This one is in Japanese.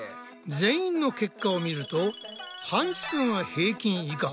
全員の結果を見ると半数が平均以下。